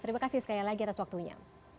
terima kasih sekali lagi atas waktunya